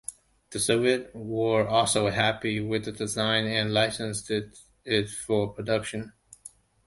The Soviets were also happy with the design and licensed it for production.